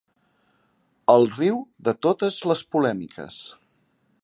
El riu de totes les polèmiques.